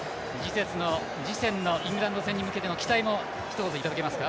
次戦のイングランド戦に向けての期待もひと言いただけますか。